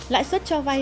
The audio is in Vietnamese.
lãi suất cho vay